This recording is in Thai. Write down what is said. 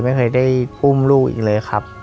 ไม่เคยได้อุ้มลูกอีกเลยครับ